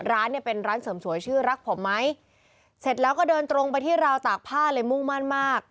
ร้านเนี่ยเป็นร้านเสริมสวยชื่อรักผมไหมเสร็จแล้วก็เดินตรงไปที่ราวตากผ้าเลยมุ่งมั่นมาก